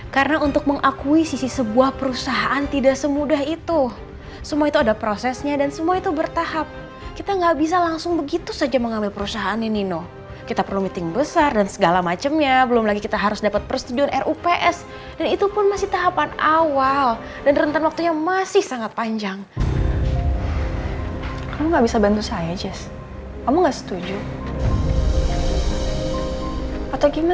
karena untuk mengakui sisi sebuah perusahaan tidak semudah itu semua itu ada prosesnya dan semua itu bertahap kita nggak bisa langsung begitu saja mengambil perusahaan ini nino kita perlu meeting besar dan segala macemnya belum lagi kita harus dapat persetujuan rups dan itu pun masih tahapan awal dan rentan waktunya masih sangat panjang kamu nggak bisa bantu saya jess kamu nggak setuju atau gimana sih